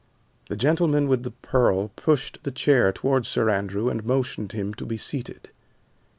The gentleman with the pearl pushed the chair toward Sir Andrew, and motioned him to be seated.